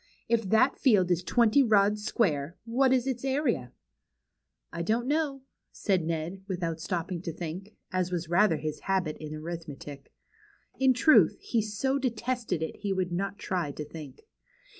" If that field is twenty rods square, what is its area ?"" I don t know," said Ned, without stopping to think, as was rather his habit in arithmetic. In truth, he so detested it he would not try to think.